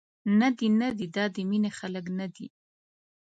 ندي، ندي دا د مینې خلک ندي.